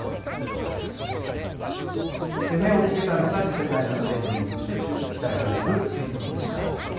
目をつけたのが、次世代のエネルギーとして期待される水素でした。